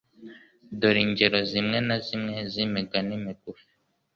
Dore ingero zimwe na zimwe z'imigani migufi,